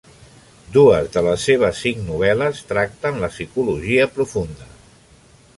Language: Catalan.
Dues de les seves cinc novel·les tracten la psicologia profunda.